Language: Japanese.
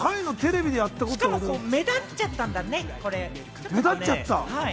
しかも目立っちゃったんだよね。